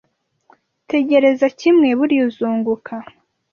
Tegereza kimwe buriya uzunguka